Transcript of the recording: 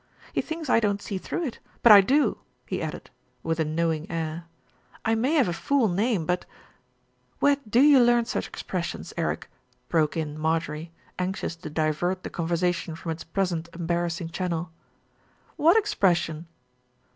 He thinks I don't see through it; but I do," he added, with a know ing air. "I may have a fool name; but " "Where do you learn such expressions, Eric?" broke in Marjorie, anxious to divert the conversation from its present embarrassing channel. "What expression?"